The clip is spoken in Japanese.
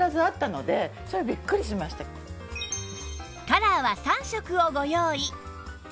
カラーは３色をご用意